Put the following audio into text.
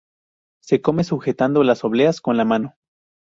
Se come sujetando las obleas con la mano.